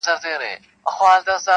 • لا ښكارېږي جنايت او فسادونه -